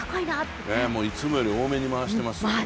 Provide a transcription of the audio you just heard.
いつもより多めに回してますよ。